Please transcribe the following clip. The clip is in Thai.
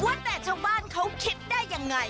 ว่าแต่ชาวบ้านเขาคิดได้ยังไง